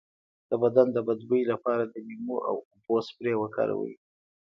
د بدن د بد بوی لپاره د لیمو او اوبو سپری وکاروئ